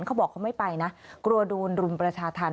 เขาบอกเขาไม่ไปนะกลัวโดนรุมประชาธรรม